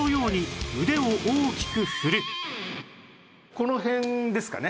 この辺ですかね。